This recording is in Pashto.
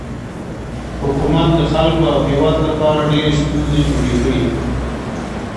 حکومت د خلکو او هیواد لپاره ډیرې ستونزې جوړې کړي.